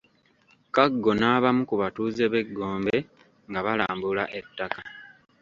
Kaggo n’abamu ku batuuze b’e Gombe nga balambula ettaka.